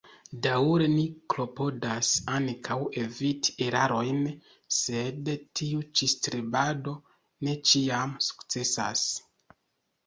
Daŭre ni klopodas ankaŭ eviti erarojn, sed tiu ĉi strebado ne ĉiam sukcesas.